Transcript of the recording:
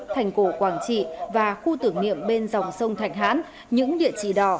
thành cổ quảng trị và khu tưởng niệm bên dòng sông thành hán những địa chỉ đỏ